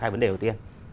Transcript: hai vấn đề đầu tiên